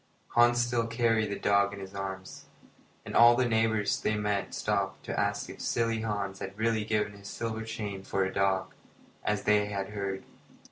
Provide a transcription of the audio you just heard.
Hans still carried the dog in his arms, and all the neighbours they met stopped to ask if silly Hans had really given his silver chain for a dog, as they had heard.